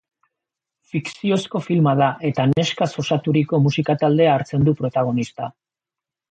Fikziozko filma da eta neskaz osaturiko musika taldea hartzen du protagonista.